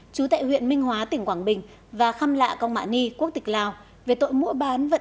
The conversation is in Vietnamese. chú tại huyện minh hóa tỉnh quảng bình và khăm lạ công mạ ni quốc tịch lào về tội mua bán vận